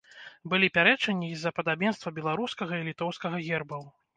Былі пярэчанні і з-за падабенства беларускага і літоўскага гербаў.